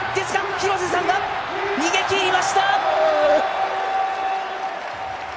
ひろせさんが逃げきりました！